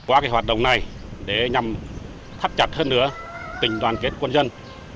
qua hoạt động này để nhằm thắt chặt hơn nữa tình đoàn kết quân dân